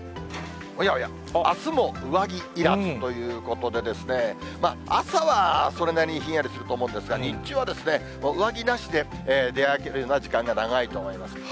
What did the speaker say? おやおや、あすも上着いらずということでですね、朝はそれなりにひんやりすると思うんですが、日中は上着なしで出歩けるような時間が長いと思います。